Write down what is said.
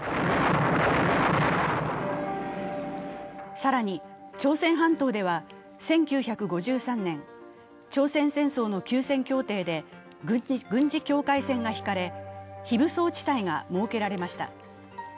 更に、朝鮮半島では１９５３年、朝鮮戦争の休戦協定で、軍事境界線が引かれ、非武装地帯が設けられました。